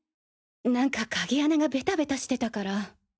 なんか鍵穴がベタベタしてたから。